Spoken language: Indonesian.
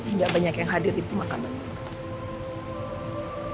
nggak banyak yang hadir di pemakaman